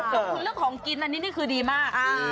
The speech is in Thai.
คือเรื่องของกินอันนี้คือดีมาก